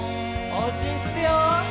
おうちにつくよ。